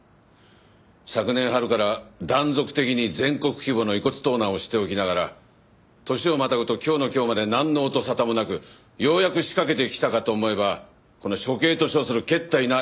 昨年春から断続的に全国規模の遺骨盗難をしておきながら年をまたぐと今日の今日までなんの音沙汰もなくようやく仕掛けてきたかと思えばこの処刑と称するけったいな映像。